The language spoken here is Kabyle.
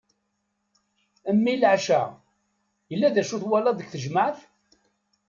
A mmi leɛca! yella d acu twalaḍ deg tejmaɛt?